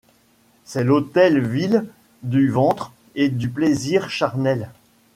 C’est l’autel vil du ventre et du plaisir charnel ;